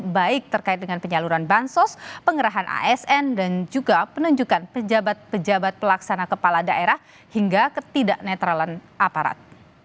baik terkait dengan penyaluran bansos pengerahan asn dan juga penunjukan pejabat pejabat pelaksana kepala daerah hingga ketidak netralan aparat